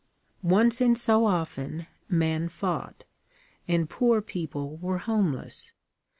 Once in so often men fought, and poor people were homeless.